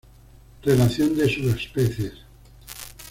Relación de subespecies.